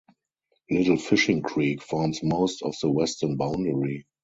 Little Fishing Creek forms most of the western boundary.